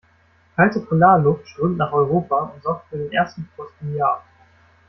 Kalte Polarluft strömt nach Europa und sorgt für den ersten Frost im Jahr.